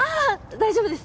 大丈夫です